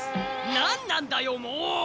なんなんだよもう！